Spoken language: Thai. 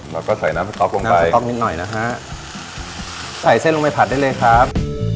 แล้วก็ใส่น้ำสต๊อปลงไปต๊อกนิดหน่อยนะฮะใส่เส้นลงไปผัดได้เลยครับ